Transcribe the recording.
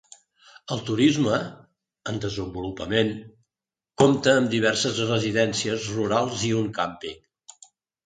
El turisme, en desenvolupament, compta amb diverses residències rurals i un càmping.